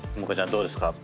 どうですか？